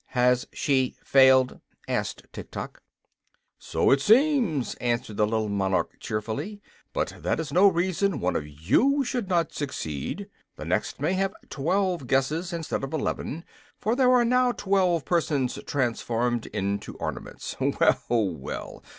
"Has she failed?" asked Tiktok. "So it seems," answered the little monarch, cheerfully. "But that is no reason one of you should not succeed. The next may have twelve guesses, instead of eleven, for there are now twelve persons transformed into ornaments. Well, well!